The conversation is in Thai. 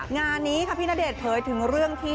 งานนี้ค่ะพี่ณเดชนเผยถึงเรื่องที่